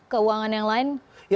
keuangan yang lain